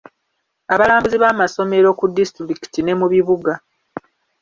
Abalambuzi b'amasomero ku disitulikiti ne mu bibuga.